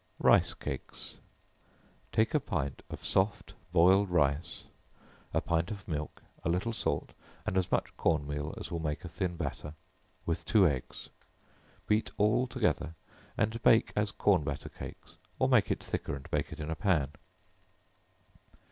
Rice Cakes. Take a pint of soft boiled rice, a pint of milk, a little salt, and as much corn meal as will make a thin batter with two eggs; beat all together, and bake as corn batter cakes, or make it thicker and bake it in a pan.